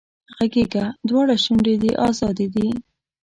غږېږه دواړه شونډې دې ازادې دي